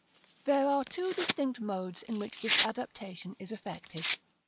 § XVI. There are two distinct modes in which this adaptation is effected.